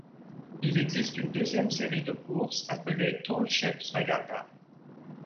Il existe une deuxième série de courses appelée Tall Ships' Regatta.